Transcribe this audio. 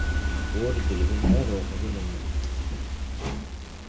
Ur d-lhin ara d weqjun-nni?